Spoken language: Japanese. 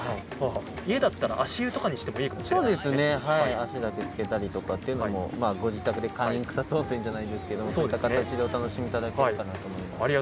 家だったら足湯とかにしても足だけつけたりとかっていうのもご自宅で簡易草津温泉じゃないですけどもそういった形でお楽しみいただけるかなと思います。